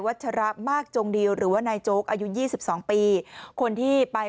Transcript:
ชระมากจงดีหรือว่านายโจ๊กอายุยี่สิบสองปีคนที่ไป